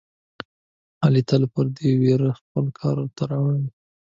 علي تل پردي ویرونه خپل کورته راوړي.